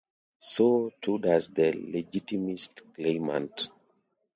So, too does the Legitimist claimant.